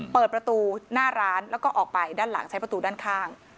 เปิดประตูหน้าร้านแล้วก็ออกไปด้านหลังใช้ประตูด้านข้าง